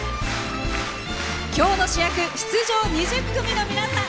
今日の主役、出場２０組の皆さん